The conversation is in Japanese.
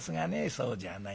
そうじゃない。